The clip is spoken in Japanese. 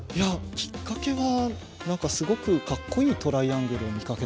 きっかけはなんかすごくかっこいいトライアングルを見かけたんですよ。